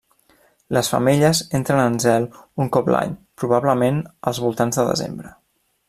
Les femelles entren en zel un cop l'any, probablement als voltants de desembre.